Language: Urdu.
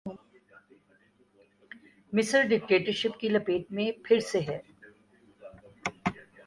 مصر ڈکٹیٹرشپ کی لپیٹ میں پھر سے ہے۔